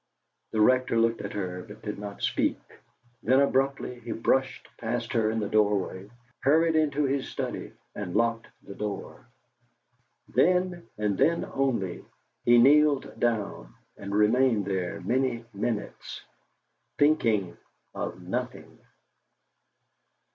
The Rector looked at her, but did not speak; then abruptly he brushed past her in the doorway, hurried into his study and locked the door. Then, and then only, he kneeled down, and remained there many minutes, thinking of nothing.